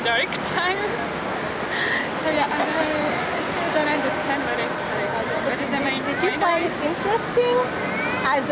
jadi saya masih tidak mengerti apa itu